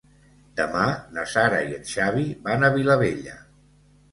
Demà na Sara i en Xavi van a Vilabella.